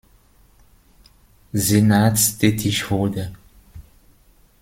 Senats tätig wurde.